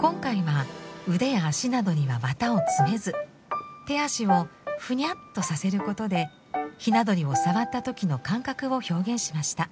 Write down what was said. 今回は腕や足などには綿を詰めず手足をフニャッとさせることでひな鳥を触った時の感覚を表現しました。